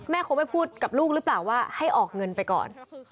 คงไม่พูดกับลูกหรือเปล่าว่าให้ออกเงินไปก่อน